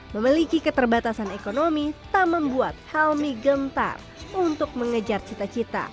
memiliki keterbatasan ekonomi tak membuat helmi gentar untuk mengejar cita cita